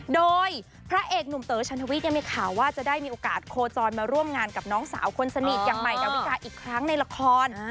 โดยพระเอกหนุ่มเต๋อชันทวิทย์ยังมีข่าวว่าจะได้มีโอกาสโคจรมาร่วมงานกับน้องสาวคนสนิทอย่างใหม่ดาวิกาอีกครั้งในละคร